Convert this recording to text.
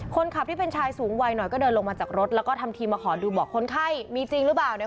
คนขับที่เป็นชายสูงวัยหน่อยก็เดินลงมาจากรถแล้วก็ทำทีมาขอดูบอกคนไข้มีจริงหรือเปล่าเนี่ย